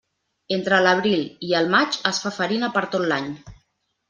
Entre l'abril i el maig es fa farina per tot l'any.